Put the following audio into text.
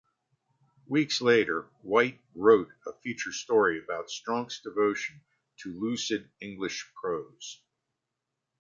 Weeks later, White wrote a feature story about Strunk's devotion to lucid English prose.